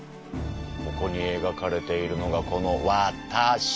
ここにえがかれているのがこのわたし！